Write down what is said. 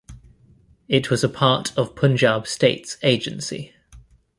It was a part of Punjab States Agency.